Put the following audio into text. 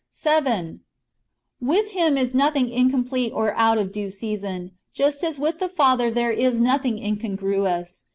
7. With Him is nothing incomplete or out of due season, just as with the Father there is nothing incongruous.